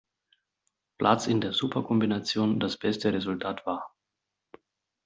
Platz in der Super-Kombination das beste Resultat war.